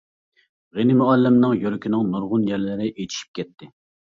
غېنى مۇئەللىمنىڭ يۈرىكىنىڭ نۇرغۇن يەرلىرى ئېچىشىپ كەتتى.